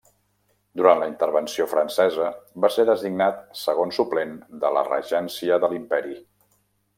Durant la Intervenció francesa va ser designat segon suplent de la regència de l'Imperi.